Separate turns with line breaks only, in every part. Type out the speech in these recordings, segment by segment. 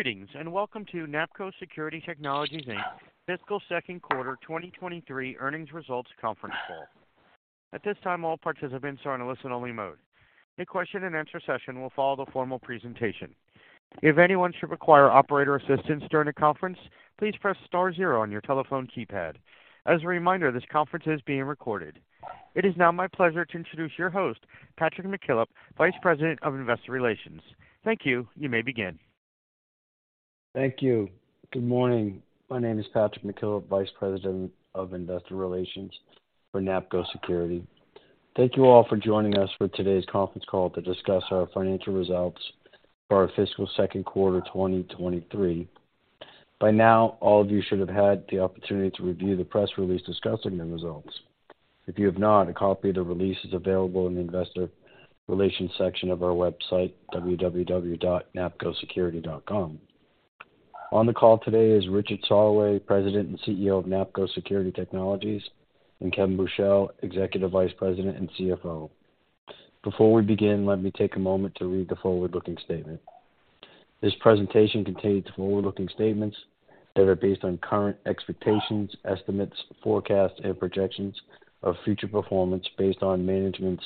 Greetings, welcome to NAPCO Security Technologies Inc. fiscal Q2 2023 earnings results conference call. At this time, all participants are in a listen only mode. A question and answer session will follow the formal presentation. If anyone should require operator assistance during the conference, please press star zero on your telephone keypad. As a reminder, this conference is being recorded. It is now my pleasure to introduce your host, Patrick McKillop, Vice President of Investor Relations. Thank you. You may begin.
Thank you. Good morning. My name is Patrick McKillop, Vice President of Investor Relations for NAPCO Security. Thank you all for joining us for today's conference call to discuss our financial results for our fiscal Q2 2023. By now, all of you should have had the opportunity to review the press release discussing the results. If you have not, a copy of the release is available in the investor relations section of our website, www.napcosecurity.com. On the call today is Richard Soloway, President and CEO of NAPCO Security Technologies, and Kevin Buchel, Executive Vice President and CFO. Before we begin, let me take a moment to read the forward-looking statement. This presentation contains forward-looking statements that are based on current expectations, estimates, forecasts, and projections of future performance based on management's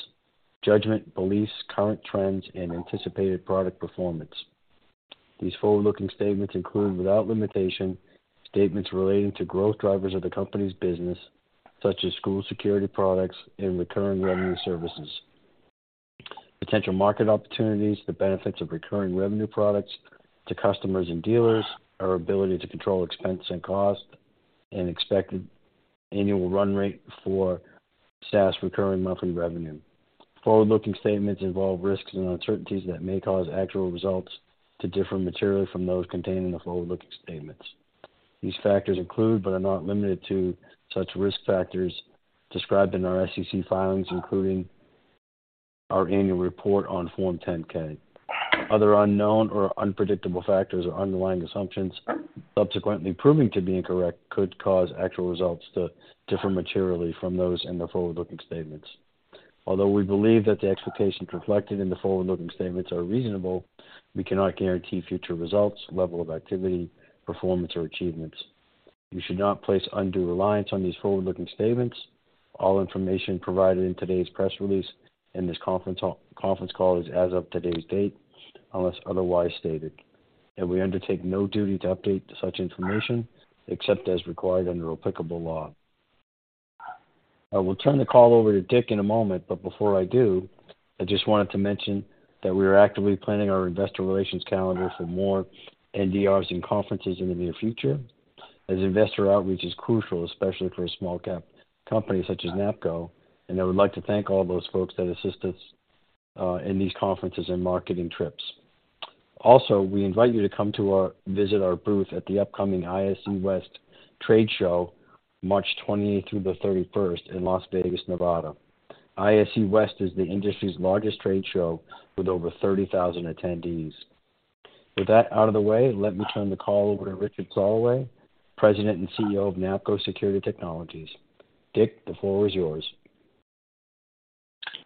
judgment, beliefs, current trends, and anticipated product performance. These forward-looking statements include, without limitation, statements relating to growth drivers of the company's business such as school security products and recurring revenue services, potential market opportunities, the benefits of recurring revenue products to customers and dealers, our ability to control expense and cost, and expected annual run rate for SaaS recurring monthly revenue. Forward-looking statements involve risks and uncertainties that may cause actual results to differ materially from those contained in the forward-looking statements. These factors include, but are not limited to, such risk factors described in our SEC filings, including our annual report on Form 10-K. Other unknown or unpredictable factors or underlying assumptions subsequently proving to be incorrect could cause actual results to differ materially from those in the forward-looking statements. Although we believe that the expectations reflected in the forward-looking statements are reasonable, we cannot guarantee future results, level of activity, performance, or achievements. You should not place undue reliance on these forward-looking statements. All information provided in today's press release and this conference call is as of today's date, unless otherwise stated, and we undertake no duty to update such information except as required under applicable law. I will turn the call over to Rich in a moment, but before I do, I just wanted to mention that we are actively planning our investor relations calendar for more NDRs and conferences in the near future, as investor outreach is crucial, especially for a small cap company such as NAPCO, and I would like to thank all those folks that assist us in these conferences and marketing trips. Also, we invite you to visit our booth at the upcoming ISC West Trade Show, March 20 through the 31st in Las Vegas, Nevada. ISC West is the industry's largest trade show with over 30,000 attendees. With that out of the way, let me turn the call over to Richard Soloway, President and CEO of NAPCO Security Technologies. Rich, the floor is yours.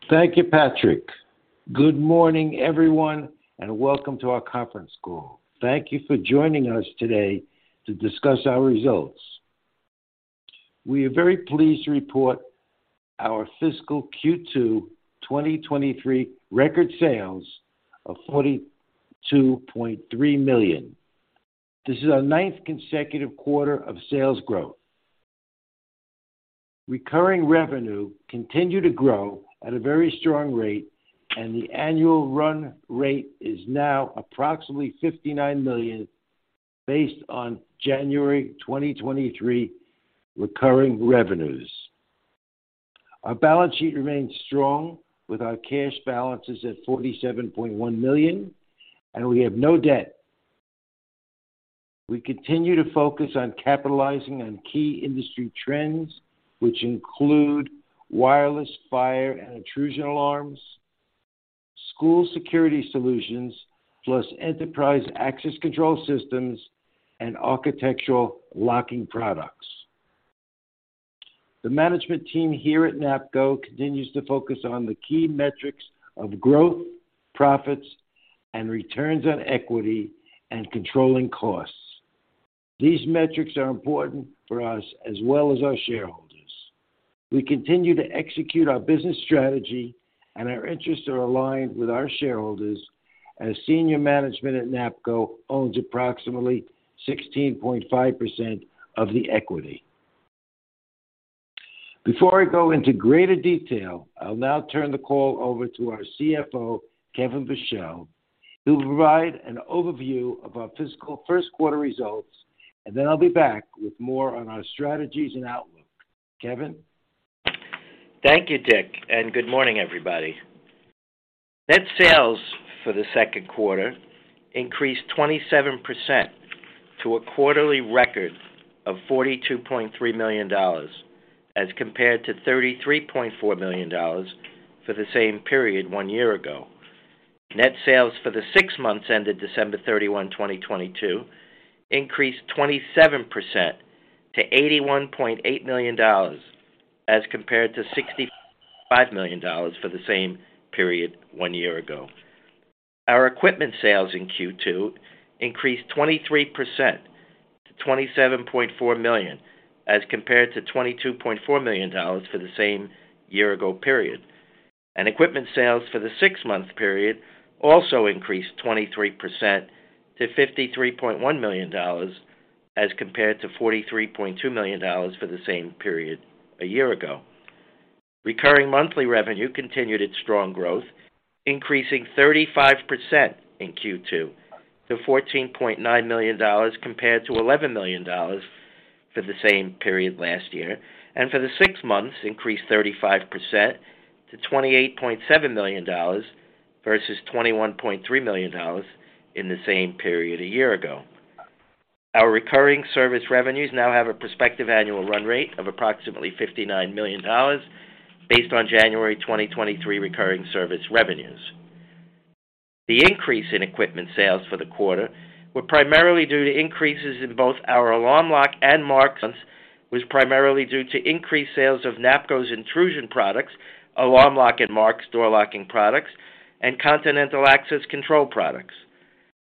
Thank you, Patrick. Good morning, everyone, and welcome to our conference call. Thank you for joining us today to discuss our results. We are very pleased to report our fiscal Q2 2023 record sales of $42.3 million. This is our ninth consecutive quarter of sales growth. Recurring revenue continued to grow at a very strong rate, and the annual run rate is now approximately $59 million based on January 2023 recurring revenues. Our balance sheet remains strong with our cash balances at $47.1 million, and we have no debt. We continue to focus on capitalizing on key industry trends, which include wireless fire and intrusion alarms, school security solutions, plus enterprise access control systems and architectural locking products. The management team here at NAPCO continues to focus on the key metrics of growth, profits, and returns on equity and controlling costs. These metrics are important for us as well as our shareholders. We continue to execute our business strategy, and our interests are aligned with our shareholders as senior management at NAPCO owns approximately 16.5% of the equity. Before I go into greater detail, I'll now turn the call over to our CFO, Kevin Buchel, who will provide an overview of our fiscal Q1 results. I'll be back with more on our strategies and outlook. Kevin?
Thank you, Rich. Good morning, everybody. Net sales for the Q2 increased 27% to a quarterly record of $42.3 million as compared to $33.4 million for the same period one year ago. Net sales for the six months ended December 31, 2022 increased 27% to $81.8 million as compared to $65 million for the same period one year ago. Our equipment sales in Q2 increased 23% to $27.4 million as compared to $22.4 million for the same year ago period. Equipment sales for the six-month period also increased 23% to $53.1 million as compared to $43.2 million for the same period a year ago. Recurring monthly revenue continued its strong growth, increasing 35% in Q2 to $14.9 million compared to $11 million for the same period last year, and for the six months, increased 35% to $28.7 million versus $21.3 million in the same period a year ago. Our recurring service revenues now have a prospective annual run rate of approximately $59 million based on January 2023 recurring service revenues. The increase in equipment sales for the quarter were primarily due to increased sales of NAPCO's intrusion products, Alarm Lock and Marks USA door locking products, and Continental Access control products.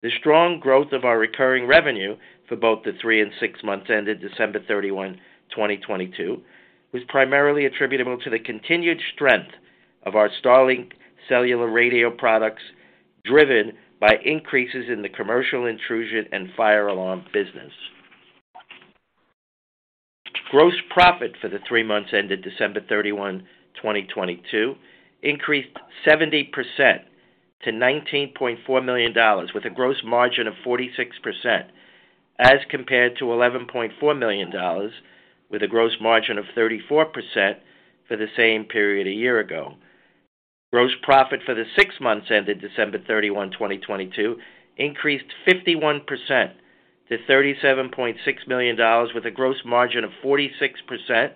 The strong growth of our recurring revenue for both the three and six months ended December 31, 2022, was primarily attributable to the continued strength of our Starlink cellular radio products, driven by increases in the commercial intrusion and fire alarm business. Gross profit for the three months ended December 31, 2022, increased 70% to $19.4 million with a gross margin of 46% as compared to $11.4 million with a gross margin of 34% for the same period a year ago. Gross profit for the six months ended December 31, 2022, increased 51% to $37.6 million with a gross margin of 46%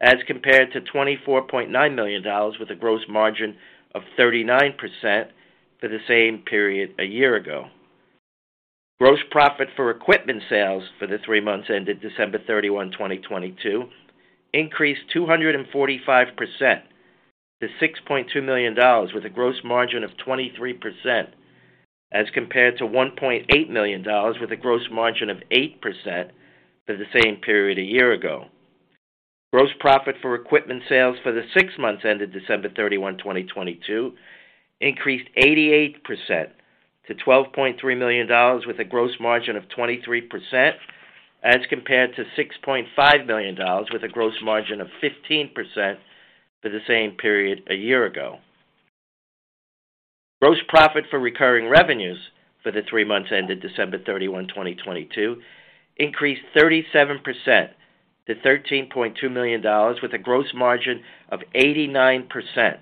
as compared to $24.9 million with a gross margin of 39% for the same period a year ago. Gross profit for equipment sales for the three months ended December 31, 2022 increased 245% to $6.2 million with a gross margin of 23% as compared to $1.8 million with a gross margin of 8% for the same period a year ago. Gross profit for equipment sales for the six months ended December 31, 2022 increased 88% to $12.3 million with a gross margin of 23% as compared to $6.5 million with a gross margin of 15% for the same period a year ago. Gross profit for recurring revenues for the three months ended December 31, 2022, increased 37% to $13.2 million with a gross margin of 89%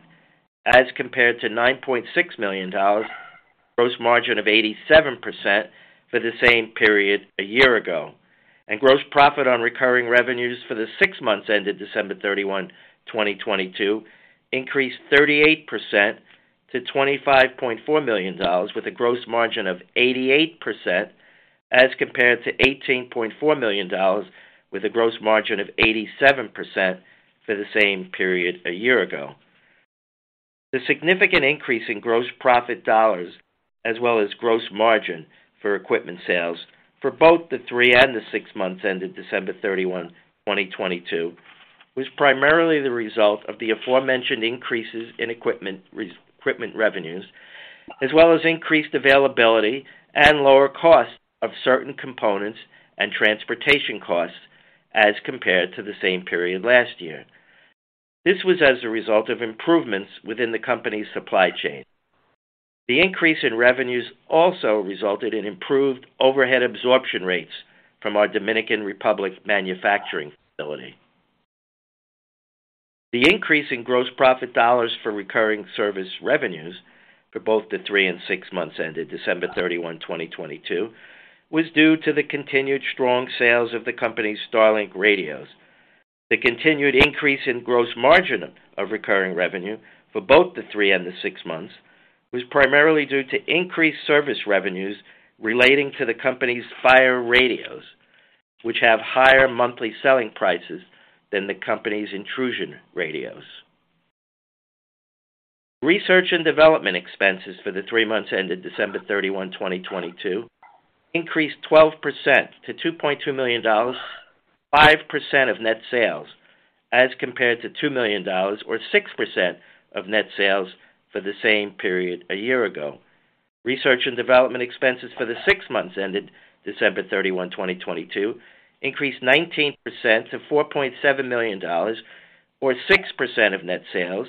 as compared to $9.6 million, gross margin of 87% for the same period a year ago. Gross profit on recurring revenues for the six months ended December 31, 2022, increased 38% to $25.4 million with a gross margin of 88% as compared to $18.4 million with a gross margin of 87% for the same period a year ago. The significant increase in gross profit dollars as well as gross margin for equipment sales for both the three and the six months ended December 31, 2022, was primarily the result of the aforementioned increases in equipment revenues, as well as increased availability and lower costs of certain components and transportation costs as compared to the same period last year. This was as a result of improvements within the company's supply chain. The increase in revenues also resulted in improved overhead absorption rates from our Dominican Republic manufacturing facility. The increase in gross profit dollars for recurring service revenues for both the three and six months ended December 31, 2022, was due to the continued strong sales of the company's Starlink radios. The continued increase in gross margin of recurring revenue for both the three and the six months was primarily due to increased service revenues relating to the company's fire radios, which have higher monthly selling prices than the company's intrusion radios. Research and development expenses for the three months ended December 31, 2022, increased 12% to $2.2 million, 5% of net sales as compared to $2 million or 6% of net sales for the same period a year ago. Research and development expenses for the six months ended December 31, 2022, increased 19% to $4.7 million or 6% of net sales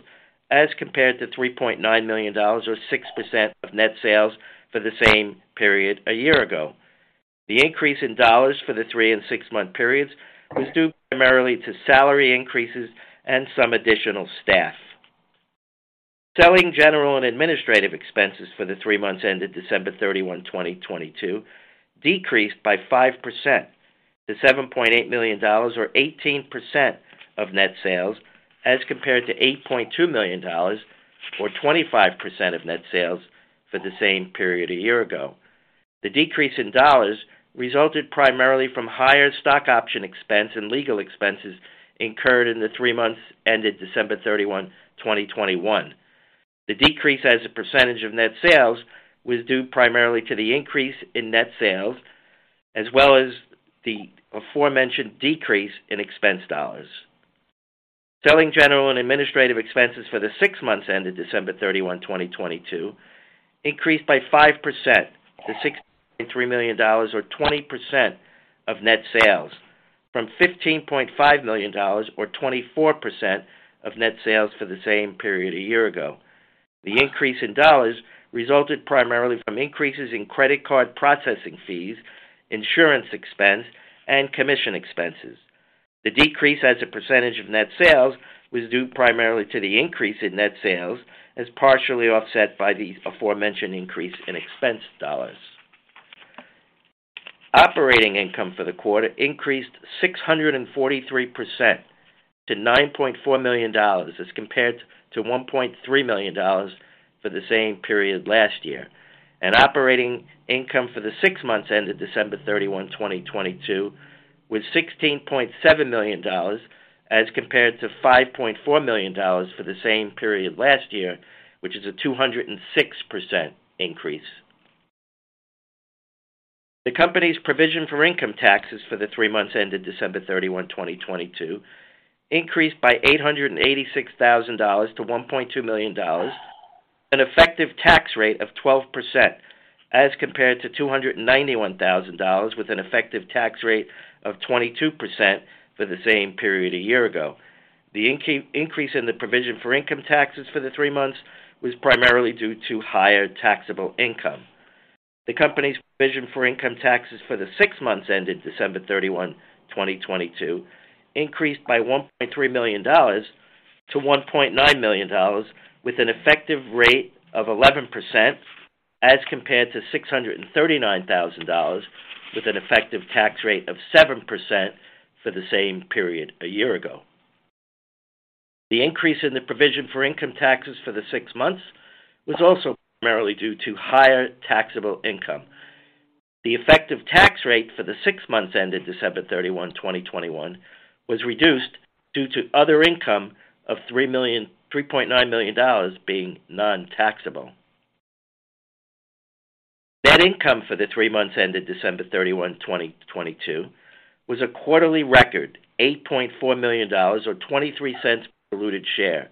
as compared to $3.9 million or 6% of net sales for the same period a year ago. The increase in dollars for the three and six-month periods was due primarily to salary increases and some additional staff. Selling, General and Administrative expenses for the three months ended December 31, 2022 decreased by 5% to $7.8 million or 18% of net sales, as compared to $8.2 million or 25% of net sales for the same period a year ago. The decrease in dollars resulted primarily from higher stock option expense and legal expenses incurred in the three months ended December 31, 2021. The decrease as a percentage of net sales was due primarily to the increase in net sales, as well as the aforementioned decrease in expense dollars. Selling general and administrative expenses for the six months ended December 31, 2022 increased by 5% to $6.3 million or 20% of net sales from $15.5 million or 24% of net sales for the same period a year ago. The increase in dollars resulted primarily from increases in credit card processing fees, insurance expense, and commission expenses. The decrease as a percentage of net sales was due primarily to the increase in net sales, as partially offset by the aforementioned increase in expense dollars. Operating income for the quarter increased 643% to $9.4 million as compared to $1.3 million for the same period last year. Operating income for the six months ended December 31, 2022 was $16.7 million as compared to $5.4 million for the same period last year, which is a 206% increase. The company's provision for income taxes for the three months ended December 31, 2022 increased by $886,000 to $1.2 million, an effective tax rate of 12% as compared to $291,000 with an effective tax rate of 22% for the same period a year ago. The increase in the provision for income taxes for the three months was primarily due to higher taxable income. The company's provision for income taxes for the six months ended December 31, 2022 increased by $1.3 million to $1.9 million with an effective rate of 11%, as compared to $639,000 with an effective tax rate of 7% for the same period a year ago. The increase in the provision for income taxes for the six months was also primarily due to higher taxable income. The effective tax rate for the six months ended December 31, 2021 was reduced due to other income of $3.9 million being non-taxable. Net income for the three months ended December 31, 2022, was a quarterly record, $8.4 million or $0.23 per diluted share,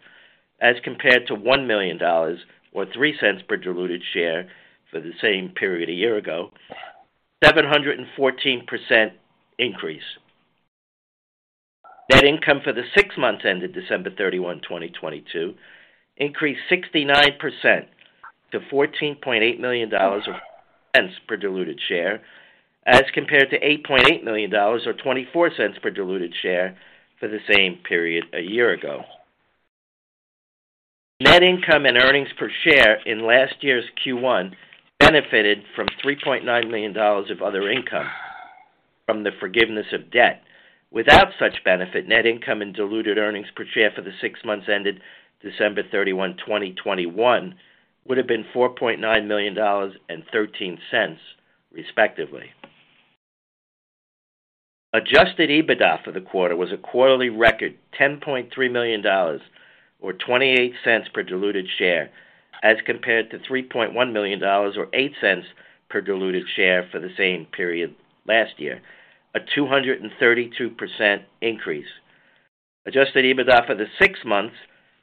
as compared to $1 million or $0.03 per diluted share for the same period a year ago, 714% increase. Net income for the six months ended December 31, 2022, increased 69% to $14.8 million or $0.10 per diluted share, as compared to $8.8 million or $0.24 per diluted share for the same period a year ago. Net income and earnings per share in last year's Q1 benefited from $3.9 million of other income from the forgiveness of debt. Without such benefit, net income and diluted earnings per share for the six months ended December 31, 2021 would have been $4.9 million and $0.13, respectively. Adjusted EBITDA for the quarter was a quarterly record $10.3 million or $0.28 per diluted share, as compared to $3.1 million or $0.08 per diluted share for the same period last year, a 232% increase. Adjusted EBITDA for the six months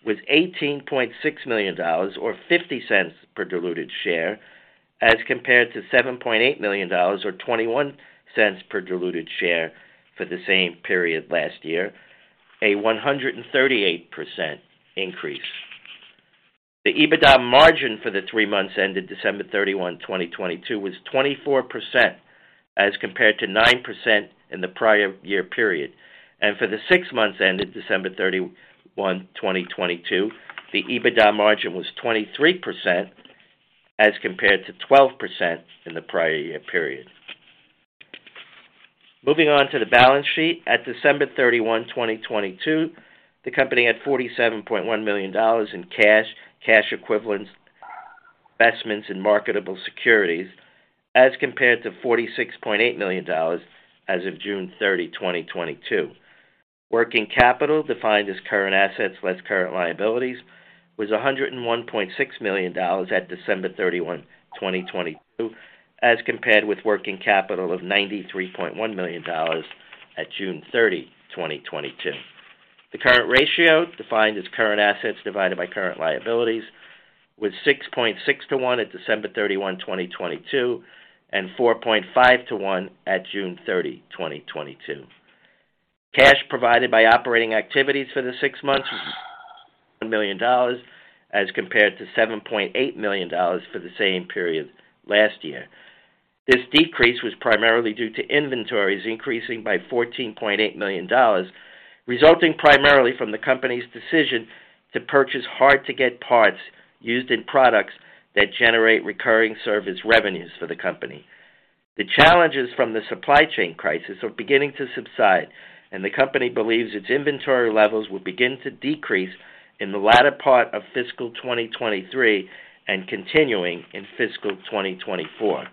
was $18.6 million or $0.50 per diluted share, as compared to $7.8 million or $0.21 per diluted share for the same period last year, a 138% increase. The EBITDA margin for the three months ended December 31, 2022 was 24% as compared to 9% in the prior year period. For the six months ended December 31, 2022, the EBITDA margin was 23% as compared to 12% in the prior year period. Moving on to the balance sheet. At December 31, 2022, the company had $47.1 million in cash equivalents, investments in marketable securities, as compared to $46.8 million as of June 30, 2022. Working capital, defined as current assets less current liabilities, was $101.6 million at December 31, 2022, as compared with working capital of $93.1 million at June 30, 2022. The current ratio, defined as current assets divided by current liabilities, was 6.6 to 1 at December 31, 2022, and 4.5 to 1 at June 30, 2022. Cash provided by operating activities for the six months was $6.1 million as compared to $7.8 million for the same period last year. This decrease was primarily due to inventories increasing by $14.8 million. Resulting primarily from the company's decision to purchase hard-to-get parts used in products that generate recurring service revenues for the company. The challenges from the supply chain crisis are beginning to subside, and the company believes its inventory levels will begin to decrease in the latter part of fiscal 2023 and continuing in fiscal 2024.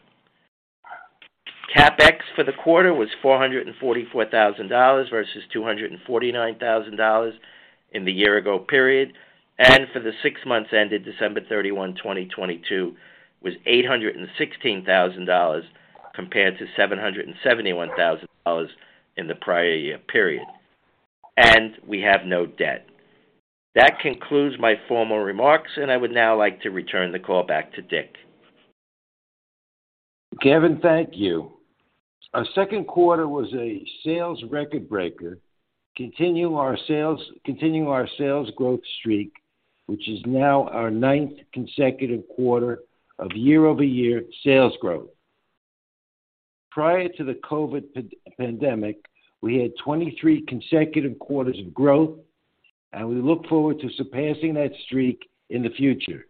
CapEx for the quarter was $444,000 versus $249,000 in the year ago period. For the six months ended December 31, 2022, was $816,000 compared to $771,000 in the prior year period. We have no debt. That concludes my formal remarks, and I would now like to return the call back to Rich.
Kevin, thank you. Our Q2 was a sales record-breaker. Continue our sales, continuing our sales growth streak, which is now our ninth consecutive quarter of year-over-year sales growth. Prior to the COVID pandemic, we had 23 consecutive quarters of growth, we look forward to surpassing that streak in the future.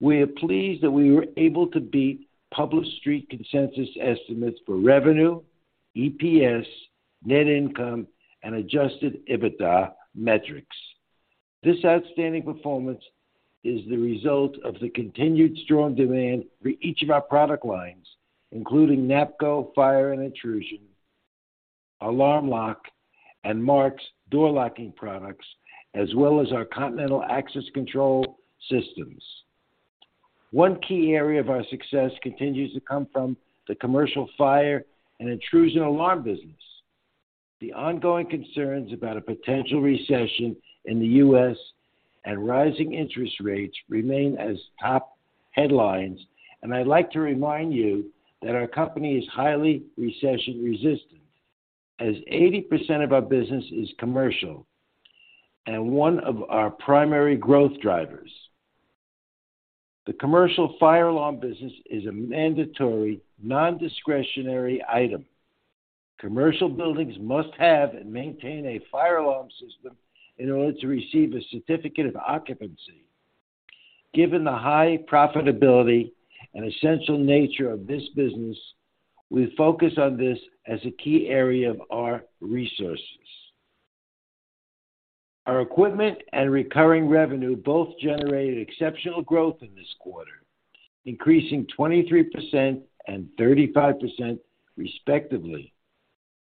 We are pleased that we were able to beat public Street consensus estimates for revenue, EPS, net income, and adjusted EBITDA metrics. This outstanding performance is the result of the continued strong demand for each of our product lines, including NAPCO Fire and Intrusion, Alarm Lock, and Marks door locking products, as well as our Continental Access control systems. One key area of our success continues to come from the commercial fire and intrusion alarm business. The ongoing concerns about a potential recession in the U.S. and rising interest rates remain as top headlines, and I'd like to remind you that our company is highly Recession-resistant, as 80% of our business is commercial, and one of our primary growth drivers. The commercial fire alarm business is a mandatory, non-discretionary item. Commercial buildings must have and maintain a fire alarm system in order to receive a certificate of occupancy. Given the high profitability and essential nature of this business, we focus on this as a key area of our resources. Our equipment and recurring revenue both generated exceptional growth in this quarter, increasing 23% and 35%, respectively.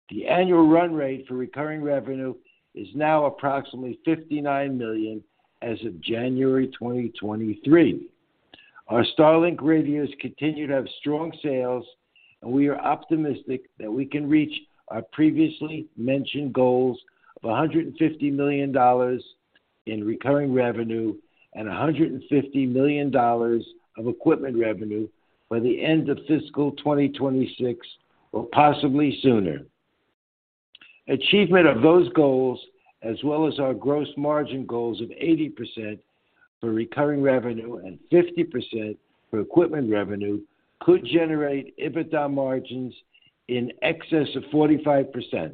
The annual run rate for recurring revenue is now approximately $59 million as of January 2023. Our StarLink radios continue to have strong sales, and we are optimistic that we can reach our previously mentioned goals of $150 million in recurring revenue and $150 million of equipment revenue by the end of fiscal 2026 or possibly sooner. Achievement of those goals, as well as our gross margin goals of 80% for recurring revenue and 50% for equipment revenue, could generate EBITDA margins in excess of 45%.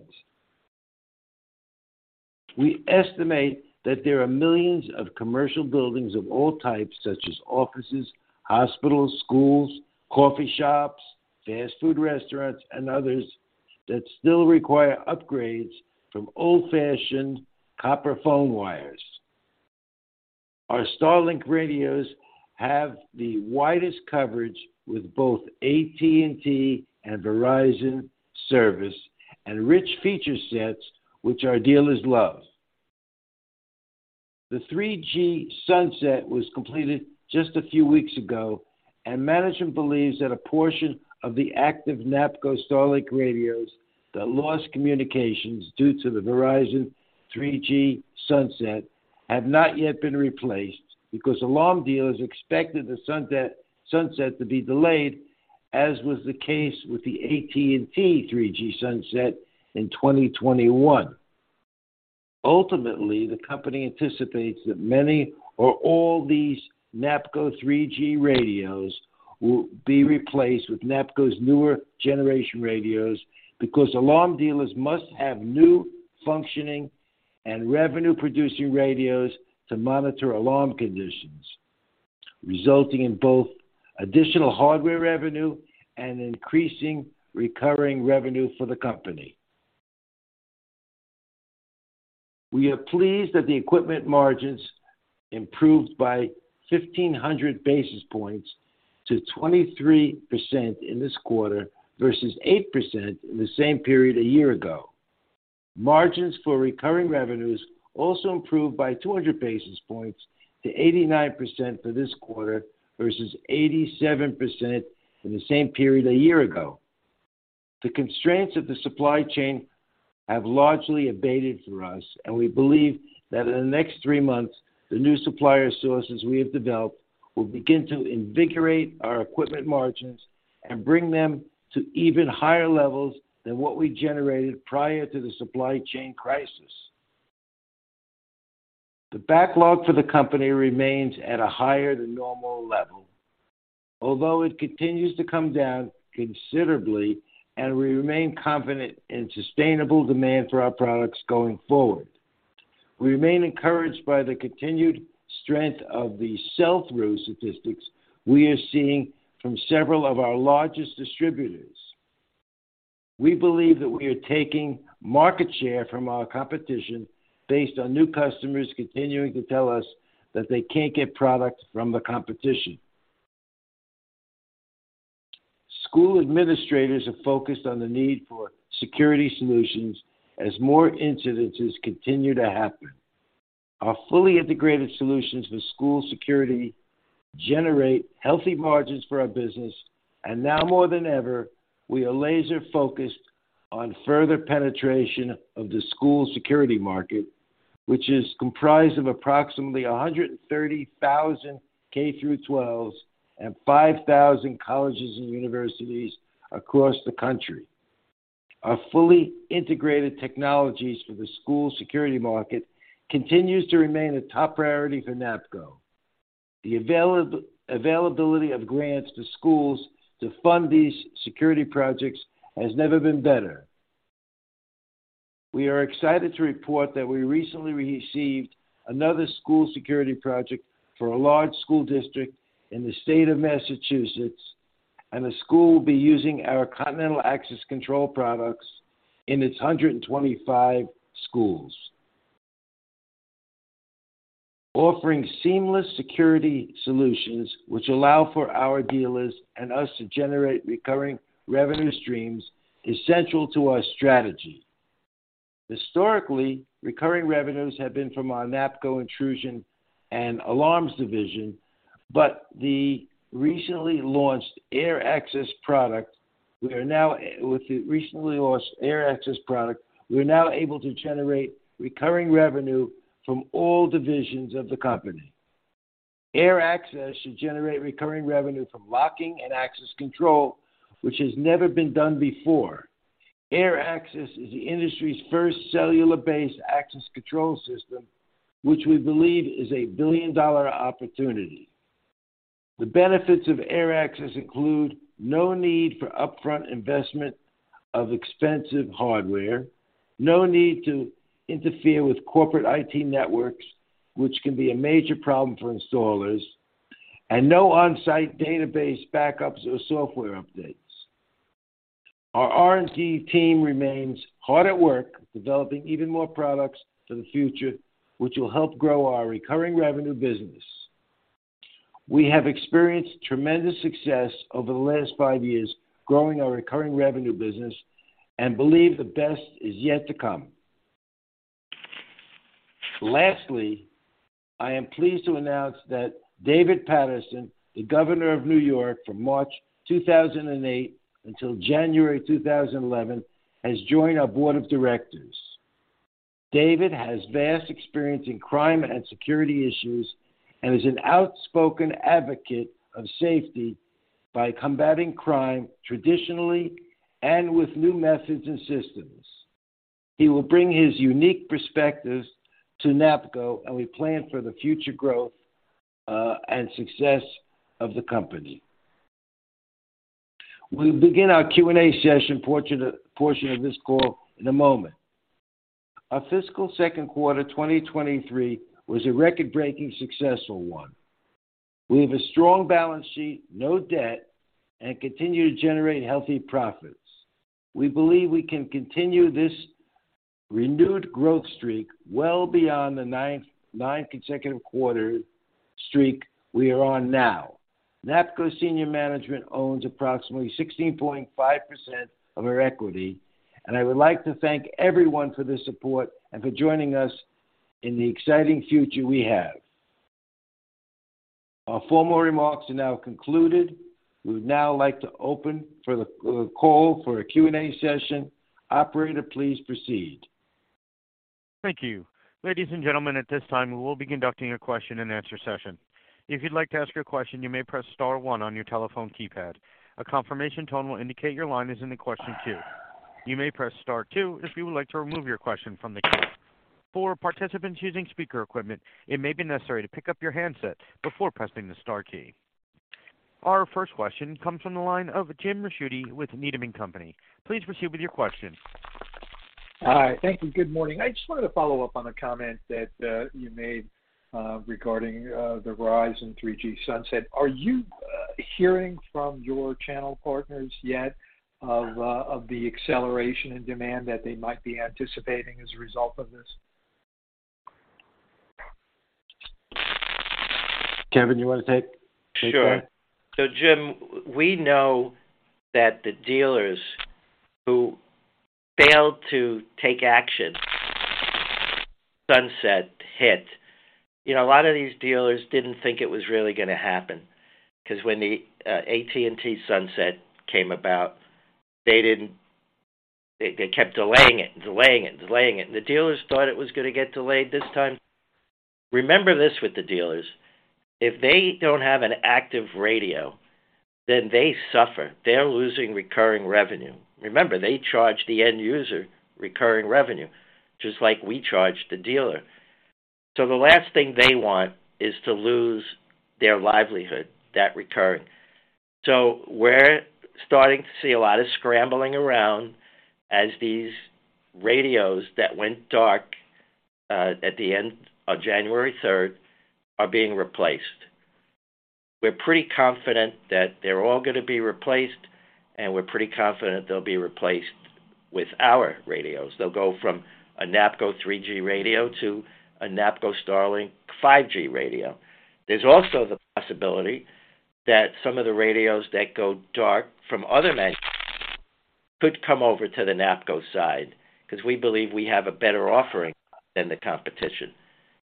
We estimate that there are millions of commercial buildings of all types, such as offices, hospitals, schools, coffee shops, fast food restaurants, and others, that still require upgrades from old-fashioned copper phone wires. Our Starlink radios have the widest coverage with both AT&T and Verizon service and rich feature sets, which our dealers love. The 3G sunset was completed just a few weeks ago. Management believes that a portion of the active NAPCO Starlink radios that lost communications due to the Verizon 3G sunset have not yet been replaced because alarm dealers expected the sunset to be delayed, as was the case with the AT&T 3G sunset in 2021. Ultimately, the company anticipates that many or all these NAPCO 3G radios will be replaced with NAPCO's newer generation radios because alarm dealers must have new functioning and revenue-producing radios to monitor alarm conditions, resulting in both additional hardware revenue and increasing recurring revenue for the company. We are pleased that the equipment margins improved by 1,500 basis points to 23% in this quarter versus 8% in the same period a year ago. Margins for recurring revenues also improved by 200 basis points to 89% for this quarter versus 87% in the same period a year ago. The constraints of the supply chain have largely abated for us. We believe that in the next three months, the new supplier sources we have developed will begin to invigorate our equipment margins and bring them to even higher levels than what we generated prior to the supply chain crisis. The backlog for the company remains at a higher than normal level, although it continues to come down considerably, and we remain confident in sustainable demand for our products going forward. We remain encouraged by the continued strength of the sell-through statistics we are seeing from several of our largest distributors. We believe that we are taking market share from our competition based on new customers continuing to tell us that they can't get product from the competition. School administrators are focused on the need for security solutions as more incidences continue to happen. Our fully integrated solutions for school security generate healthy margins for our business. Now more than ever, we are laser-focused on further penetration of the school security market, which is comprised of approximately 130,000 K through twelves and 5,000 colleges and universities across the country. Our fully integrated technologies for the school security market continues to remain a top priority for NAPCO. The availability of grants to schools to fund these security projects has never been better. We are excited to report that we recently received another school security project for a large school district in the state of Massachusetts. The school will be using our Continental Access control products in its 125 schools. Offering seamless security solutions which allow for our dealers and us to generate recurring revenue streams is central to our strategy. Historically, recurring revenues have been from our NAPCO Intrusion and Alarms division. With the recently launched Air Access product, we're now able to generate recurring revenue from all divisions of the company. Air Access should generate recurring revenue from locking and access control, which has never been done before. Air Access is the industry's first cellular-based access control system, which we believe is a billion-dollar opportunity. The benefits of Air Access include no need for upfront investment of expensive hardware, no need to interfere with corporate IT networks, which can be a major problem for installers, and no on-site database backups or software updates. Our R&D team remains hard at work, developing even more products for the future, which will help grow our recurring revenue business. We have experienced tremendous success over the last five years growing our recurring revenue business and believe the best is yet to come. I am pleased to announce that David Paterson, the governor of New York from March 2008 until January 2011, has joined our board of directors. David has vast experience in crime and security issues and is an outspoken advocate of safety by combating crime traditionally and with new methods and systems. He will bring his unique perspectives to NAPCO, and we plan for the future growth, and success of the company. We'll begin our Q&A session portion of this call in a moment. Our fiscal Q2 2023 was a record-breaking successful one. We have a strong balance sheet, no debt, and continue to generate healthy profits. We believe we can continue this renewed growth streak well beyond the 9th, 9 consecutive quarter streak we are on now. NAPCO senior management owns approximately 16.5% of our equity, and I would like to thank everyone for their support and for joining us in the exciting future we have. Our formal remarks are now concluded. We would now like to open for the call for a Q&A session. Operator, please proceed.
Thank you. Ladies and gentlemen, at this time, we will be conducting a question-and-answer session. If you'd like to ask a question, you may press star one on your telephone keypad. A confirmation tone will indicate your line is in the question queue. You may press star two if you would like to remove your question from the queue. For participants using speaker equipment, it may be necessary to pick up your handset before pressing the star key. Our first question comes from the line of James Ricchiuti with Needham & Company. Please proceed with your question.
Hi. Thank you. Good morning. I just wanted to follow up on a comment that you made regarding the Verizon 3G sunset. Are you hearing from your channel partners yet of the acceleration in demand that they might be anticipating as a result of this?
Kevin, you wanna take that?
Sure. Jim, we know that the dealers who failed to take action sunset hit. You know, a lot of these dealers didn't think it was really going to happen because when the AT&T sunset came about, they kept delaying it and delaying it and delaying it. The dealers thought it was going to get delayed this time. Remember this with the dealers. If they don't have an active radio, then they suffer. They're losing recurring revenue. Remember, they charge the end user recurring revenue, just like we charge the dealer. The last thing they want is to lose their livelihood, that return. We're starting to see a lot of scrambling around as these radios that went dark at the end of January third are being replaced. We're pretty confident that they're all gonna be replaced. We're pretty confident they'll be replaced with our radios. They'll go from a NAPCO 3G radio to a NAPCO StarLink 5G radio. There's also the possibility that some of the radios that go dark from other manufacturers could come over to the NAPCO side because we believe we have a better offering than the competition.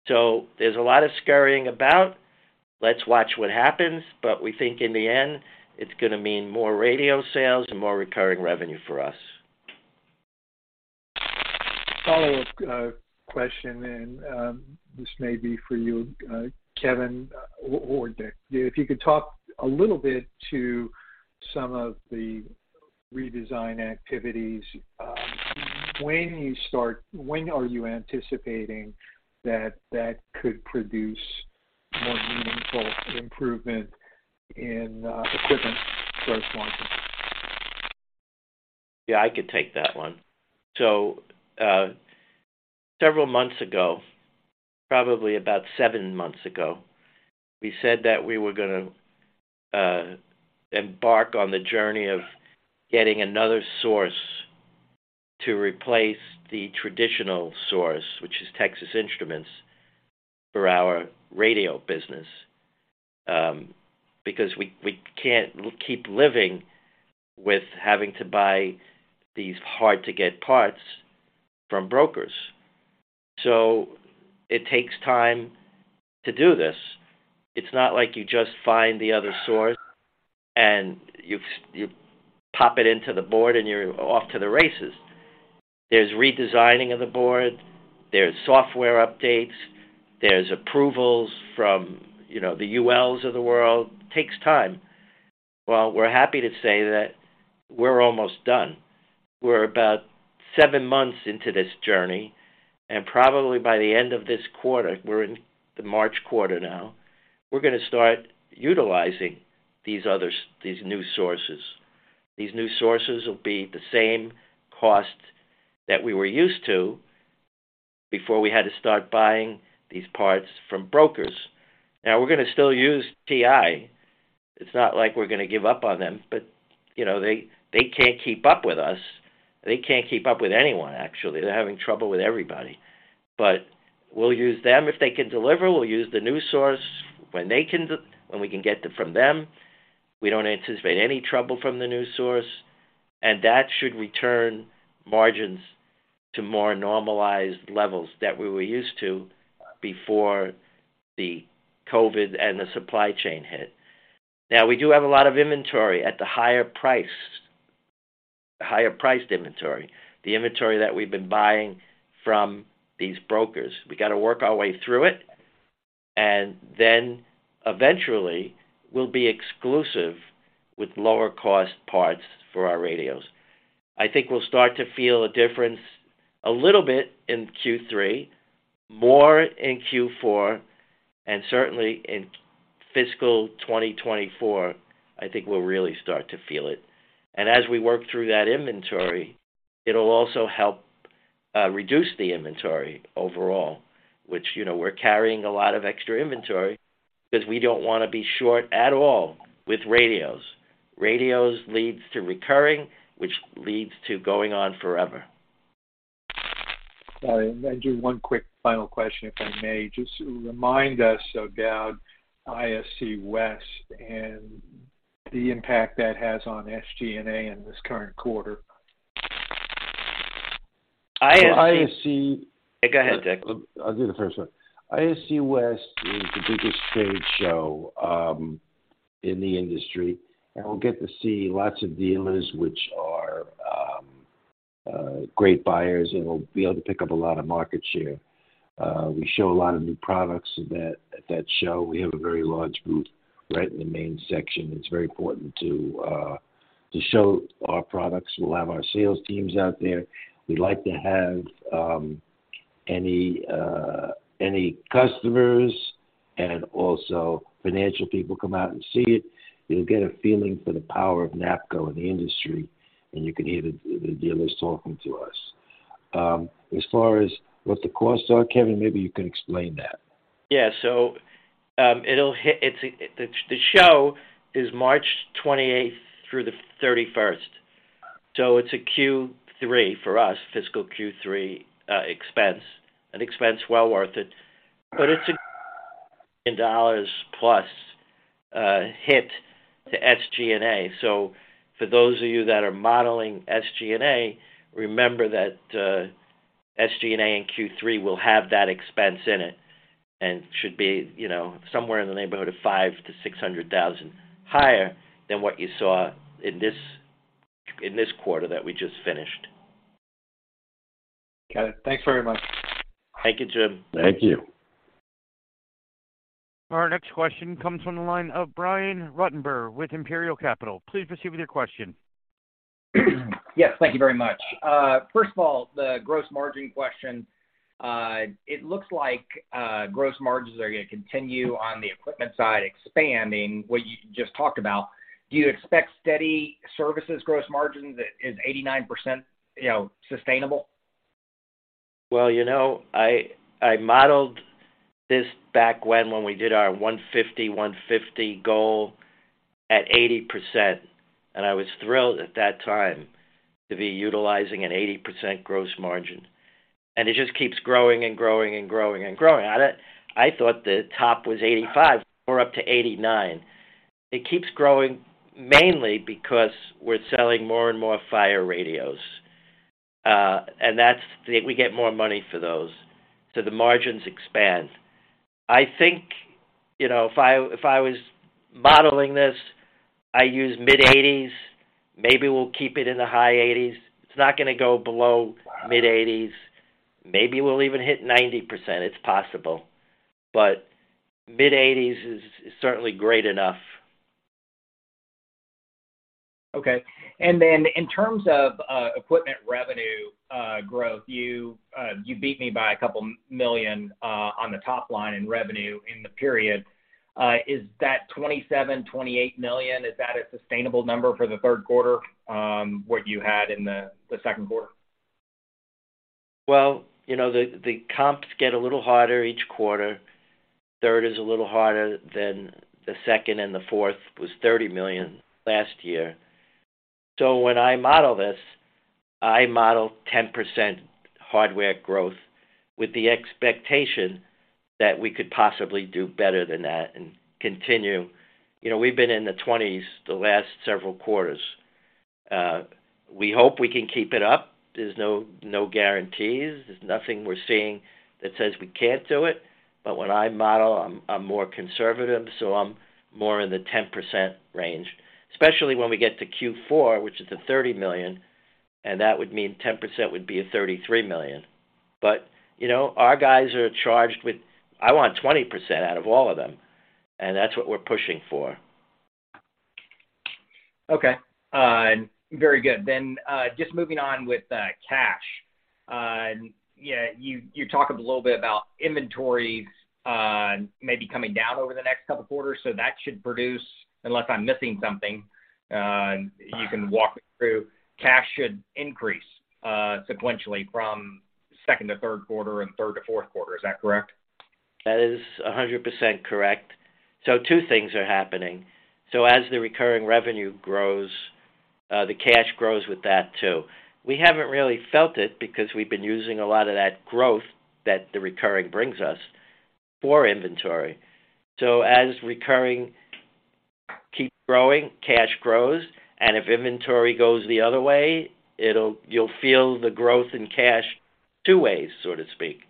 There's a lot of scurrying about. Let's watch what happens. We think in the end it's gonna mean more radio sales and more recurring revenue for us.
Follow-up question, and this may be for you, Kevin or Rich. If you could talk a little bit to some of the redesign activities. When are you anticipating that that could produce more meaningful improvement in equipment gross margin?
Yeah, I could take that one. Several months ago, probably about seven months ago, we said that we were gonna embark on the journey of getting another source to replace the traditional source, which is Texas Instruments, for our radio business, because we can't keep living with having to buy these hard-to-get parts from brokers. It takes time to do this. It's not like you just find the other source, and you pop it into the board and you're off to the races. There's redesigning of the board, there's software updates, there's approvals from, you know, the ULs of the world. It takes time. Well, we're happy to say that we're almost done. We're about seven months into this journey, and probably by the end of this quarter, we're in the March quarter now, we're gonna start utilizing these new sources. These new sources will be the same cost that we were used to before we had to start buying these parts from brokers. We're gonna still use TI. It's not like we're gonna give up on them. You know, they can't keep up with us. They can't keep up with anyone actually. They're having trouble with everybody. We'll use them if they can deliver. We'll use the new source when we can get it from them. We don't anticipate any trouble from the new source, and that should return margins to more normalized levels that we were used to before the COVID and the supply chain hit. We do have a lot of inventory at the higher price. The higher priced inventory. The inventory that we've been buying from these brokers. We got to work our way through it, and then eventually we'll be exclusive with lower cost parts for our radios. I think we'll start to feel a difference a little bit in Q3, more in Q4, and certainly in fiscal 2024, I think we'll really start to feel it. As we work through that inventory, it'll also help reduce the inventory overall, which, you know, we're carrying a lot of extra inventory because we don't wanna be short at all with radios. Radios leads to recurring, which leads to going on forever.
Sorry. I do one quick final question, if I may. Just remind us about ISC West and the impact that has on SG&A in this current quarter.
ISC
ISC
Go ahead, Rich.
I'll do the first one. ISC West is the biggest stage show in the industry. We'll get to see lots of dealers, which are great buyers. We'll be able to pick up a lot of market share. We show a lot of new products at that show. We have a very large booth right in the main section. It's very important to show our products. We'll have our sales teams out there. We like to have any customers and also financial people come out and see it. You'll get a feeling for the power of NAPCO in the industry. You can hear the dealers talking to us. As far as what the costs are, Kevin, maybe you can explain that.
Yeah. The show is March 28th through the 31st. It's a Q3 for us, fiscal Q3, expense. An expense well worth it. It's a in dollars plus, hit to SG&A. For those of you that are modeling SG&A, remember that, SG&A in Q3 will have that expense in it and should be, you know, somewhere in the neighborhood of $500,000-$600,000 higher than what you saw in this quarter that we just finished.
Got it. Thanks very much.
Thank you, Jim.
Thank you.
Our next question comes from the line of Brian Ruttenber with Imperial Capital. Please proceed with your question.
Yes, thank you very much. First of all, the gross margin question. It looks like gross margins are gonna continue on the equipment side, expanding what you just talked about. Do you expect steady services gross margins? Is 89%, you know, sustainable?
Well, you know, I modeled this back when we did our 150 150 goal at 80%. I was thrilled at that time to be utilizing an 80% gross margin. It just keeps growing and growing and growing and growing. I thought the top was 85, we're up to 89. It keeps growing mainly because we're selling more and more fire radios. We get more money for those, so the margins expand. I think, you know, if I, if I was modeling this, I use mid-80s. Maybe we'll keep it in the high 80s. It's not gonna go below mid-80s. Maybe we'll even hit 90%. It's possible. Mid-80s is certainly great enough.
Okay. In terms of equipment revenue growth, you beat me by $2 million on the top line in revenue in the period. Is that $27 million-$28 million, is that a sustainable number for the Q3, what you had in the second quarter?
Well, you know, the comps get a little harder each quarter. Third is a little harder than the second, and the fourth was $30 million last year. When I model this, I model 10% hardware growth with the expectation that we could possibly do better than that and continue. You know, we've been in the 20s the last several quarters. We hope we can keep it up. There's no guarantees. There's nothing we're seeing that says we can't do it. When I model, I'm more conservative, so I'm more in the 10% range, especially when we get to Q4, which is the $30 million, and that would mean 10% would be a $33 million. You know, our guys are charged with... I want 20% out of all of them, and that's what we're pushing for.
Okay. very good. Just moving on with cash. Yeah, you talked a little bit about inventory, maybe coming down over the next couple of quarters. That should produce, unless I'm missing something, you can walk me through, cash should increase sequentially from Q2 to Q4 and Q3 to Q4. Is that correct?
That is 100% correct. Two things are happening. As the recurring revenue grows, the cash grows with that too. We haven't really felt it because we've been using a lot of that growth that the recurring brings us for inventory. As recurring keeps growing, cash grows, and if inventory goes the other way, you'll feel the growth in cash two ways, so to speak.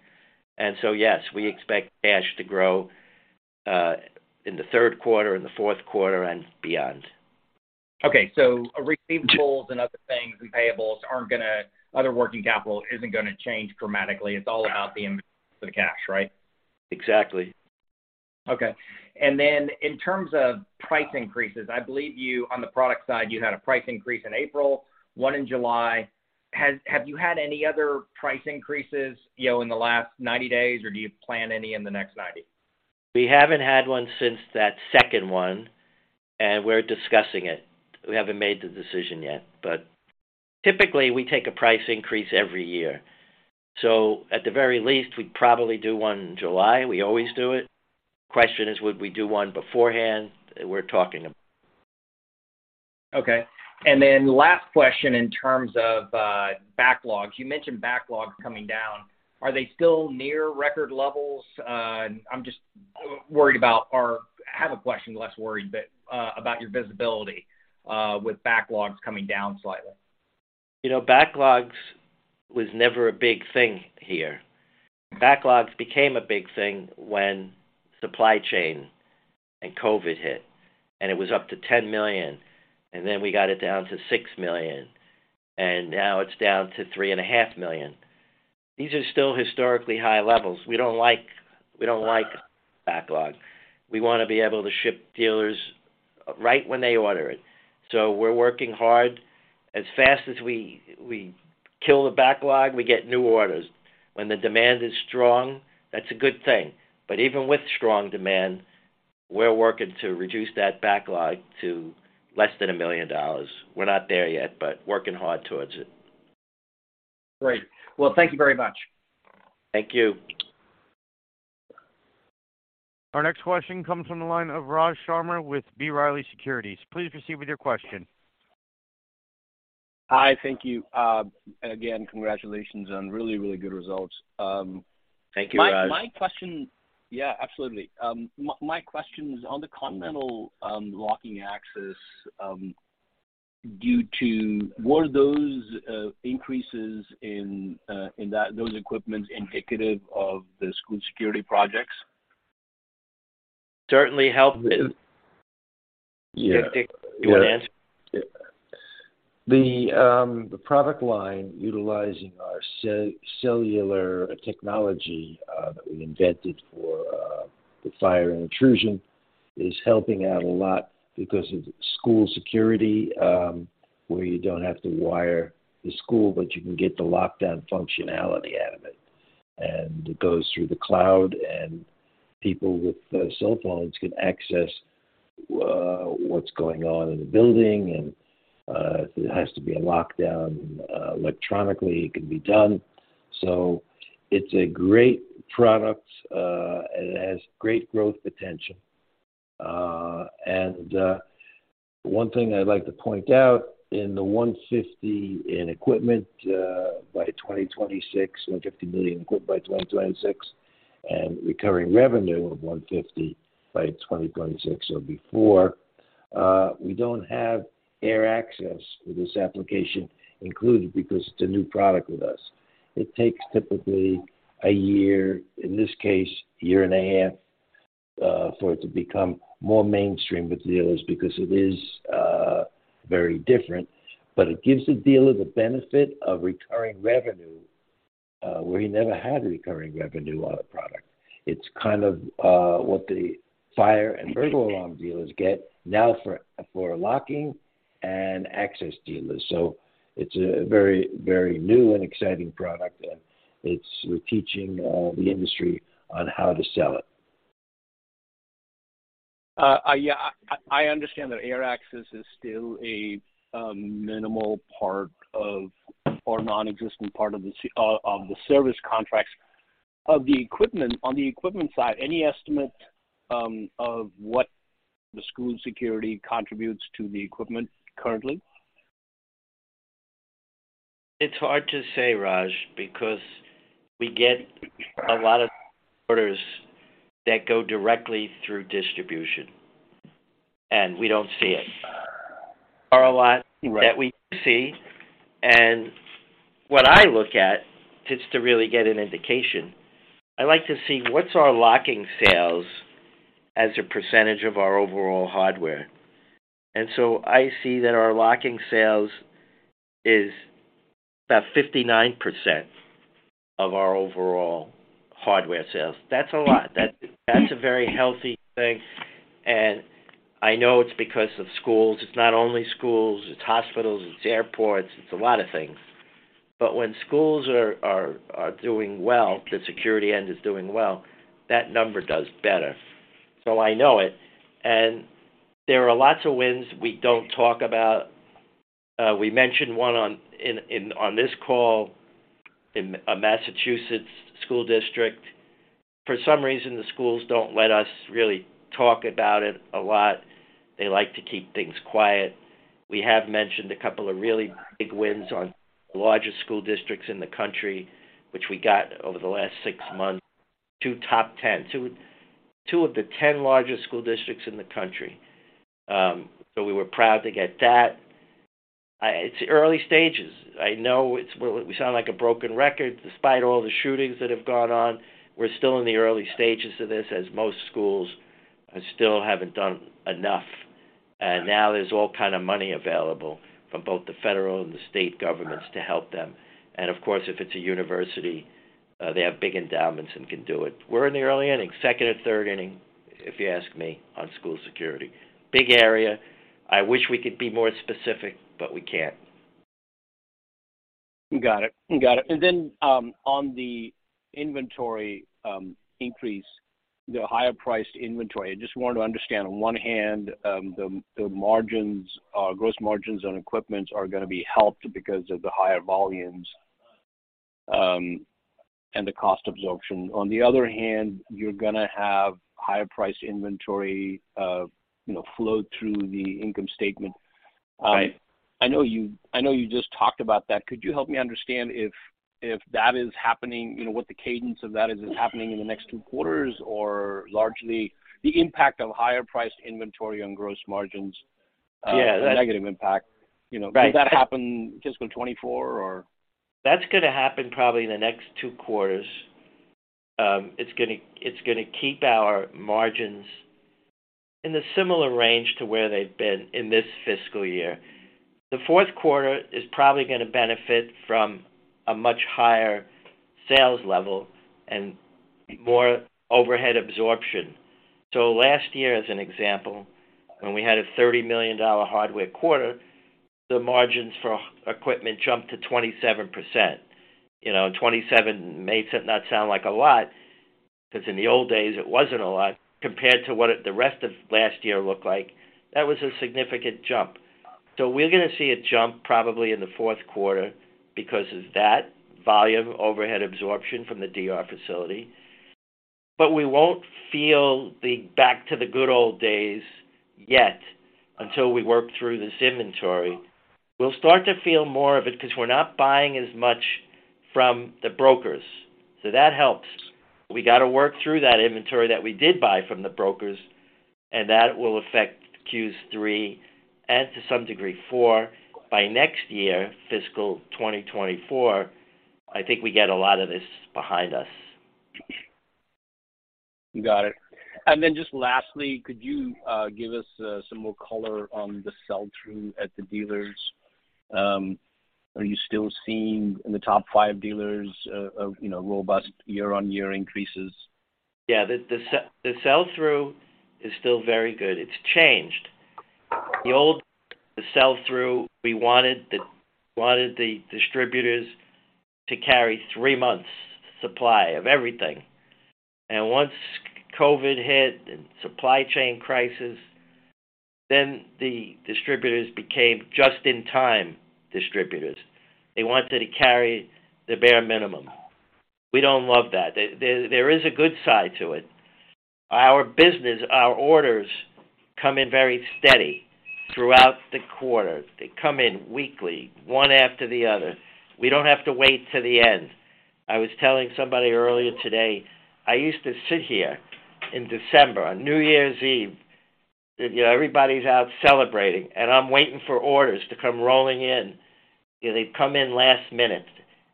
Yes, we expect cash to grow in the Q3, in the Q4 and beyond.
Okay. Other working capital isn't gonna change dramatically. It's all about the cash, right?
Exactly.
Okay. Then in terms of price increases, I believe you, on the product side, you had a price increase in April, one in July. Have you had any other price increases, you know, in the last 90 days or do you plan any in the next 90?
We haven't had one since that second one, and we're discussing it. We haven't made the decision yet, but typically we take a price increase every year. At the very least, we'd probably do one in July. We always do it. Question is, would we do one beforehand? We're talking about it.
Okay. Last question in terms of backlogs. You mentioned backlogs coming down. Are they still near record levels? I'm just worried about or have a question, less worried, but about your visibility, with backlogs coming down slightly.
You know, backlogs was never a big thing here. Backlogs became a big thing when supply chain and COVID hit. It was up to $10 million. Then we got it down to $6 million. Now it's down to three and a half million. These are still historically high levels. We don't like backlog. We wanna be able to ship dealers right when they order it. We're working hard. As fast as we kill the backlog, we get new orders. When the demand is strong, that's a good thing. Even with strong demand, we're working to reduce that backlog to less than a million dollars. We're not there yet, but working hard towards it.
Great. Well, thank you very much.
Thank you.
Our next question comes from the line of Rajiv Sharma with B. Riley Securities. Please proceed with your question.
Hi. Thank you. Again, congratulations on really, really good results.
Thank you, Raj.
Yeah, absolutely. My question is on the Continental Access locking axis. Were those increases in those equipments indicative of the school security projects? Certainly help with
Yeah.
You want to answer?
The product line utilizing our cellular technology that we invented for the fire and intrusion is helping out a lot because of school security, where you don't have to wire the school, but you can get the lockdown functionality out of it. It goes through the cloud, and people with cell phones can access what's going on in the building. If it has to be a lockdown electronically, it can be done. It's a great product, and it has great growth potential. One thing I'd like to point out, in the $150 in equipment by 2026, $150 million in equipment by 2026, recurring revenue of $150 by 2026 or before, we don't have AirAccess with this application included because it's a new product with us. It takes typically a year, in this case, a year and a half, for it to become more mainstream with dealers because it is very different. It gives the dealer the benefit of recurring revenue, where he never had a recurring revenue on a product. It's kind of what the fire and burglar alarm dealers get now for locking and access dealers. It's a very, very new and exciting product, and we're teaching the industry on how to sell it.
I, yeah, I understand that Air Access is still a minimal part of or nonexistent part of the service contracts. On the equipment side, any estimate of what the school security contributes to the equipment currently?
It's hard to say, Raj, because we get a lot of orders that go directly through distribution, and we don't see it. There are a lot-
Right.
that we do see, what I look at, just to really get an indication, I like to see what is our locking sales as a % of our overall hardware. I see that our locking sales is about 59% of our overall hardware sales. That is a lot. That is a very healthy thing, I know it is because of schools. It is not only schools, it is hospitals, it is airports, it is a lot of things. When schools are doing well, the security end is doing well, that number does better. I know it. There are lots of wins we do not talk about. We mentioned one on this call in a Massachusetts school district. For some reason, the schools do not let us really talk about it a lot. They like to keep things quiet. We have mentioned a couple of really big wins on the largest school districts in the country, which we got over the last six months, two top 10. Two of the 10 largest school districts in the country. We were proud to get that. It's early stages. I know it's, we sound like a broken record. Despite all the shootings that have gone on, we're still in the early stages of this, as most schools still haven't done enough. Now there's all kind of money available from both the federal and the state governments to help them. Of course, if it's a university, they have big endowments and can do it. We're in the early innings, 2nd or 3rd inning, if you ask me, on school security. Big area. I wish we could be more specific, but we can't.
Got it. Got it. Then, on the inventory, increase, the higher priced inventory, I just wanted to understand, on one hand, the margins, gross margins on equipment are gonna be helped because of the higher volumes, and the cost absorption. On the other hand, you're gonna have higher priced inventory, you know, flow through the income statement.
Right.
I know you just talked about that. Could you help me understand if that is happening, you know, what the cadence of that is happening in the next two quarters? Or largely the impact of higher priced inventory on gross margins?
Yeah.
A negative impact. You know.
Right.
Does that happen fiscal 2024 or?
That's gonna happen probably in the next 2 quarters. It's gonna keep our margins in a similar range to where they've been in this fiscal year. The fourth quarter is probably gonna benefit from a much higher sales level and more overhead absorption. Last year, as an example, when we had a $30 million hardware quarter, the margins for equipment jumped to 27%. You know, 27 may not sound like a lot, 'cause in the old days it wasn't a lot, compared to what the rest of last year looked like, that was a significant jump. We're gonna see a jump probably in the fourth quarter because of that volume overhead absorption from the DR facility. We won't feel the back to the good old days yet, until we work through this inventory. We'll start to feel more of it 'cause we're not buying as much from the brokers. That helps. We gotta work through that inventory that we did buy from the brokers, and that will affect Qs three and to some degree, four. By next year, fiscal 2024. I think we get a lot of this behind us.
Got it. Just lastly, could you give us some more color on the sell-through at the dealers? Are you still seeing in the top five dealers, you know, robust year-on-year increases?
Yeah. The sell-through is still very good. It's changed. The old sell-through, we wanted the distributors to carry three months supply of everything. Once COVID hit and supply chain crisis, then the distributors became just in time distributors. They wanted to carry the bare minimum. We don't love that. There is a good side to it. Our business, our orders come in very steady throughout the quarter. They come in weekly, one after the other. We don't have to wait till the end. I was telling somebody earlier today, I used to sit here in December, on New Year's Eve, you know, everybody's out celebrating, and I'm waiting for orders to come rolling in. You know, they'd come in last minute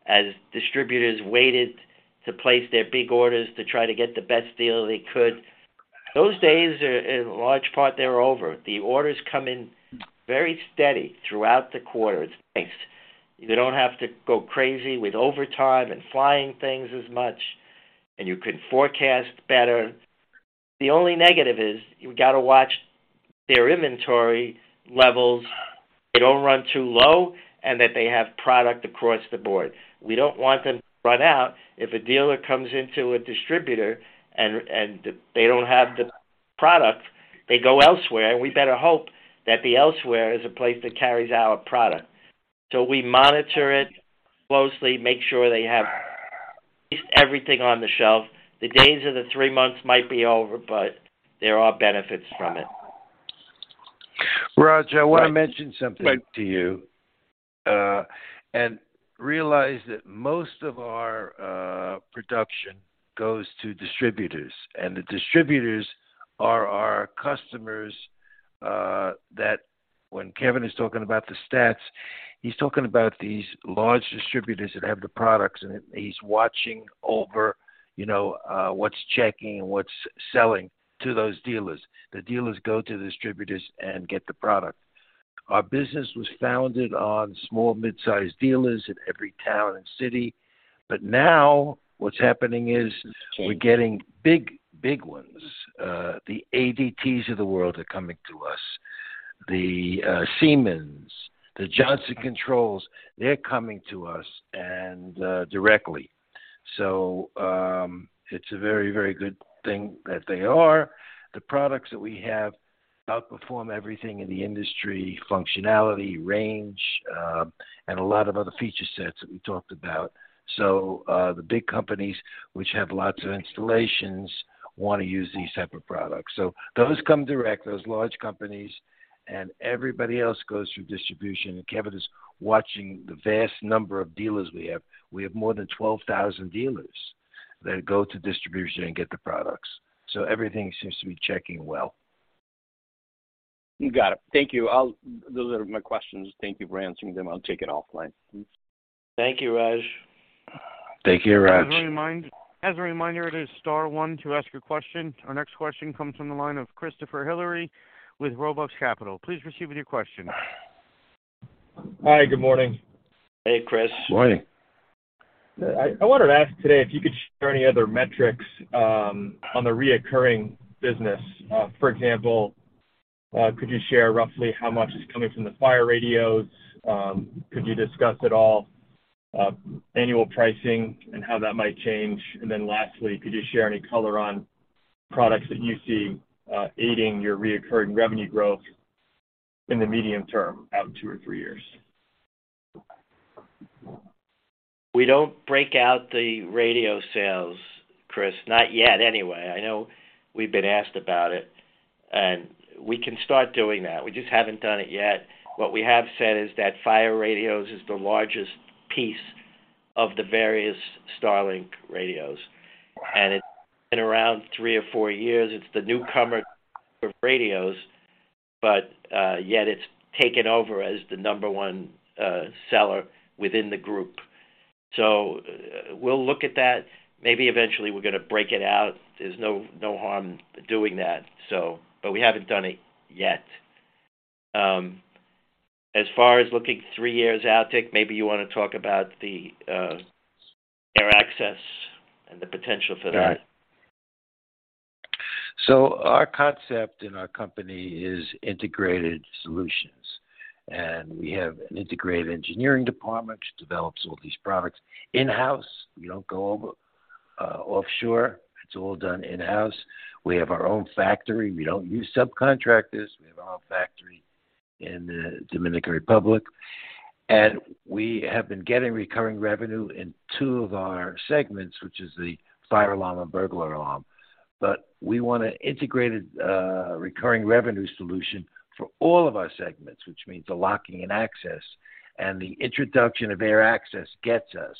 as distributors waited to place their big orders to try to get the best deal they could. Those days are, in large part, they are over. The orders come in very steady throughout the quarter. It's nice. You don't have to go crazy with overtime and flying things as much, and you can forecast better. The only negative is you've got to watch their inventory levels. They don't run too low and that they have product across the board. We don't want them to run out. If a dealer comes into a distributor and they don't have the product, they go elsewhere, and we better hope that the elsewhere is a place that carries our product. We monitor it closely, make sure they have at least everything on the shelf. The days of the three months might be over, but there are benefits from it.
Raj, I want to mention something to you. Realize that most of our production goes to distributors, and the distributors are our customers that when Kevin is talking about the stats, he's talking about these large distributors that have the products, and he's watching over, you know, what's checking and what's selling to those dealers. The dealers go to the distributors and get the product. Our business was founded on small mid-sized dealers in every town and city. Now what's happening is we're getting big ones. The ADTs of the world are coming to us. The Siemens, the Johnson Controls, they're coming to us and directly. It's a very, very good thing that they are. The products that we have outperform everything in the industry, functionality, range, and a lot of other feature sets that we talked about. The big companies which have lots of installations want to use these type of products. Those come direct, those large companies, and everybody else goes through distribution. Kevin is watching the vast number of dealers we have. We have more than 12,000 dealers that go to distribution and get the products. Everything seems to be checking well.
You got it. Thank you. Those are my questions. Thank you for answering them. I'll take it offline.
Thank you, Raj.
Thank you, Raj.
As a reminder, it is star one to ask your question. Our next question comes from the line of Christopher Hillary with Roubaix Capital. Please proceed with your question.
Hi. Good morning.
Hey, Chris.
Morning.
I wanted to ask today if you could share any other metrics on the reoccurring business. For example, could you share roughly how much is coming from the fire radios? Could you discuss at all annual pricing and how that might change? Lastly, could you share any color on products that you see aiding your reoccurring revenue growth in the medium term out two or three years?
We don't break out the radio sales, Chris. Not yet, anyway. I know we've been asked about it. We can start doing that. We just haven't done it yet. What we have said is that fire radios is the largest piece of the various StarLink radios. It's been around three or four years. It's the newcomer of radios, yet it's taken over as the number one seller within the group. We'll look at that. Maybe eventually we're gonna break it out. There's no harm doing that. We haven't done it yet. As far as looking three years out, Tick, maybe you wanna talk about the Air Access and the potential for that.
Got it. Our concept in our company is integrated solutions. We have an integrated engineering department which develops all these products in-house. We don't go over, offshore. It's all done in-house. We have our own factory. We don't use subcontractors. We have our own factory in the Dominican Republic. We have been getting recurring revenue in two of our segments, which is the fire alarm and burglar alarm. We want an integrated, recurring revenue solution for all of our segments, which means the locking and access. The introduction of Air Access gets us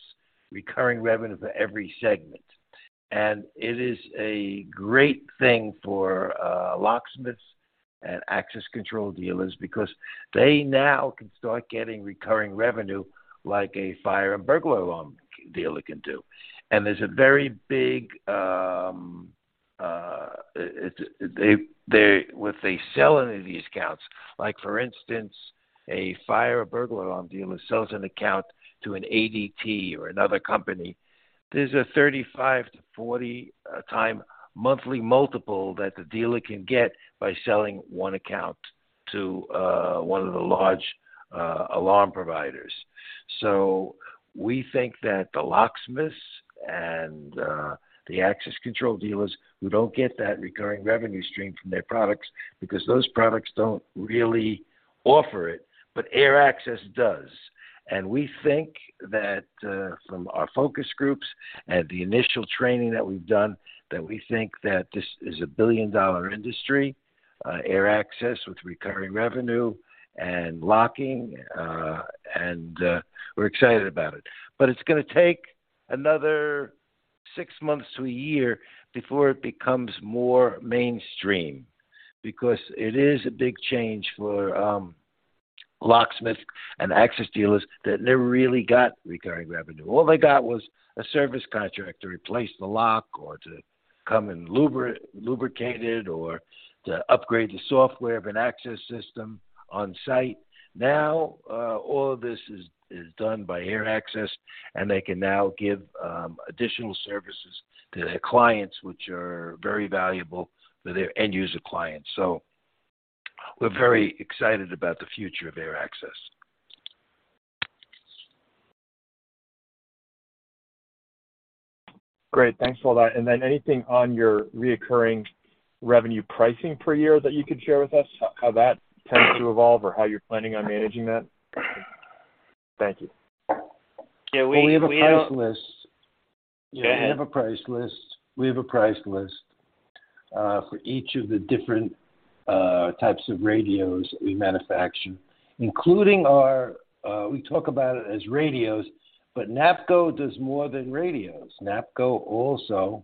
recurring revenue for every segment. It is a great thing for locksmiths and access control dealers because they now can start getting recurring revenue like a fire and burglar alarm dealer can do. There's a very big. If they sell any of these accounts, like for instance, a fire burglar alarm dealer sells an account to an ADT or another company, there's a 35-40 time monthly multiple that the dealer can get by selling one account to one of the large alarm providers. We think that the locksmiths and the access control dealers who don't get that recurring revenue stream from their products, because those products don't really offer it, but AirAccess does. We think that from our focus groups and the initial training that we've done, that we think that this is a billion-dollar industry, Air Access with recurring revenue and locking, and we're excited about it. It's gonna take another six months to one year before it becomes more mainstream because it is a big change for locksmith and access dealers that never really got recurring revenue. All they got was a service contract to replace the lock or to come and lubricate it or to upgrade the software of an access system on site. Now, all of this is done by Air Access, and they can now give additional services to their clients, which are very valuable for their end user clients. We're very excited about the future of Air Access.
Great. Thanks for that. Then anything on your recurring revenue pricing per year that you could share with us, how that tends to evolve or how you're planning on managing that? Thank you.
Yeah, we.
We have a price list.
Okay.
Yeah, we have a price list. We have a price list for each of the different types of radios we manufacture, including our. We talk about it as radios, NAPCO does more than radios. NAPCO also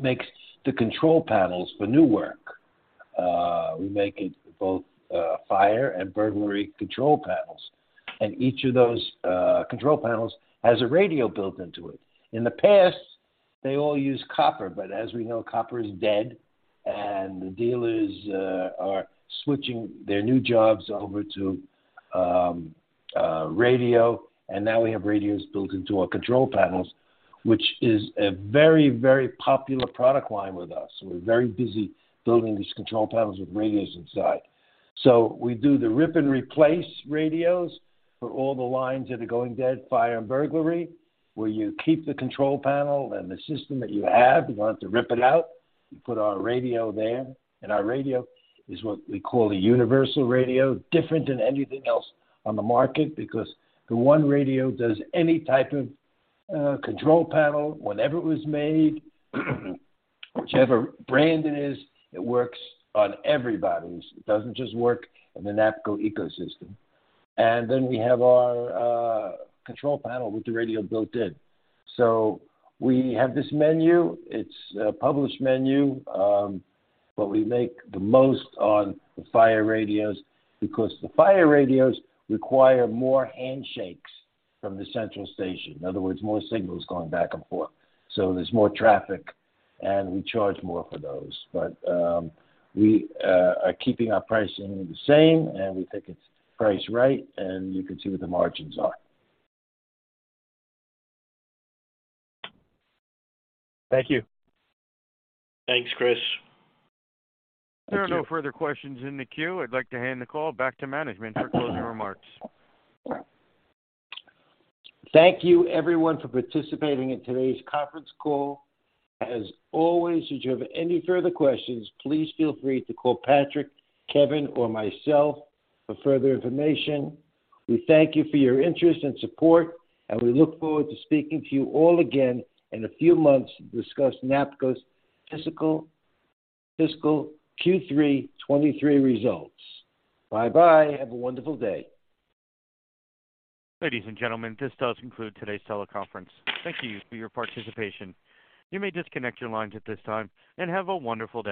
makes the control panels for new work. We make it both fire and burglary control panels, each of those control panels has a radio built into it. In the past, they all used copper, as we know, copper is dead, the dealers are switching their new jobs over to radio. Now we have radios built into our control panels, which is a very, very popular product line with us. We're very busy building these control panels with radios inside. We do the rip-and-replace radios for all the lines that are going dead, fire and burglary, where you keep the control panel and the system that you have. You don't have to rip it out. You put our radio there, and our radio is what we call a universal radio. Different than anything else on the market because the one radio does any type of control panel, whenever it was made, whichever brand it is, it works on everybody's. It doesn't just work in the NAPCO ecosystem. We have our control panel with the radio built in. We have this menu, it's a published menu, but we make the most on the fire radios because the fire radios require more handshakes from the central station. In other words, more signals going back and forth, so there's more traffic, and we charge more for those. We are keeping our pricing the same, and we think it's priced right, and you can see what the margins are.
Thank you.
Thanks, Chris.
Thank you.
There are no further questions in the queue. I'd like to hand the call back to management for closing remarks.
Thank you everyone for participating in today's conference call. As always, if you have any further questions, please feel free to call Patrick, Kevin, or myself for further information. We thank you for your interest and support, and we look forward to speaking to you all again in a few months to discuss NAPCO's fiscal Q3 2023 results. Bye-bye. Have a wonderful day.
Ladies and gentlemen, this does conclude today's teleconference. Thank you for your participation. You may disconnect your lines at this time. Have a wonderful day.